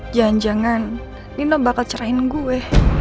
jangan jangan dino bakal cerahin gue